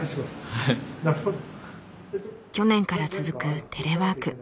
去年から続くテレワーク。